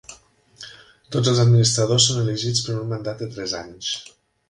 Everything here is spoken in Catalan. Tots els administradors són elegits per un mandat de tres anys.